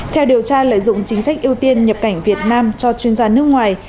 theo điều tra lợi dụng chính sách ưu tiên nhập cảnh việt nam cho chuyên gia nước ngoài